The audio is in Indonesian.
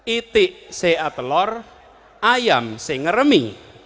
itik se a telor ayam se ngeremi